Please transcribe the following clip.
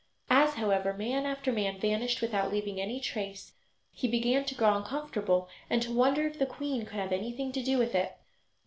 As, however, man after man vanished without leaving any trace, he began to grow uncomfortable and to wonder if the queen could have anything to do with it.